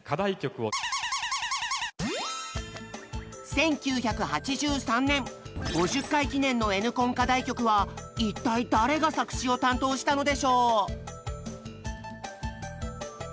１９８３年５０回記念のＮコン課題曲は一体誰が作詞を担当したのでしょう？